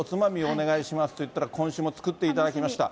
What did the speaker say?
お願いしますって言ったら、今週も作っていただきました。